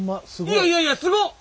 いやいやいやすごっ！